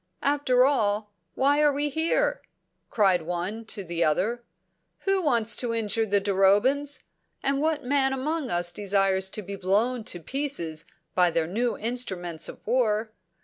"After all, why are we here?" cried one to the other. "Who wants to injure the Durobans? And what man among us desires to be blown to pieces by their new instruments of war?